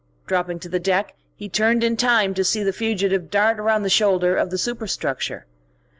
Dropping to the deck, he turned in time to see the fugitive dart round the shoulder of the superstructure.